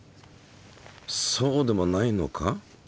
そうでもないのか？